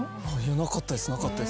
なかったですなかったです。